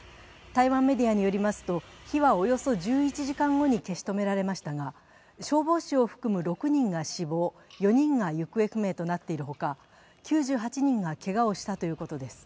台湾メディアによりますと、火はおよそ１１時間後に消し止められましたが、消防士を含む６人が死亡、４人が行方不明となっているほか９８人がけがをしたということです。